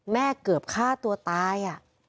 เกือบฆ่าตัวตาย